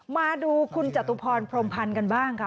มาดูคุณจตุพรพรมพันธ์กันบ้างค่ะ